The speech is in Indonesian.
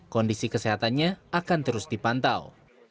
kondisi kesehatannya akan terus dipantau